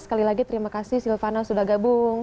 sekali lagi terima kasih silvano sudah gabung